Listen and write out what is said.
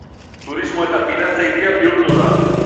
Turismo eta finantza hiria bihurtu da.